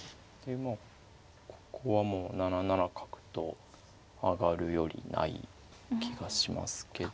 ここはもう７七角と上がるよりない気がしますけど。